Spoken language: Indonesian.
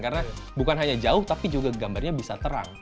karena bukan hanya jauh tapi juga gambarnya bisa terang